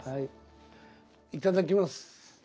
いただきます。